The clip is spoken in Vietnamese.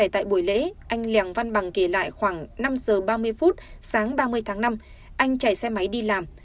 tại buổi lễ anh lèng văn bằng kể lại khoảng năm giờ ba mươi phút sáng ba mươi tháng năm anh chạy xe máy đi làm